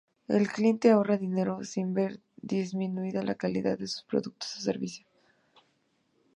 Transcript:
El cliente ahorra dinero sin ver disminuida la calidad de sus productos o servicios.